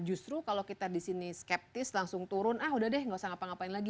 justru kalau kita di sini skeptis langsung turun ah udah deh gak usah ngapa ngapain lagi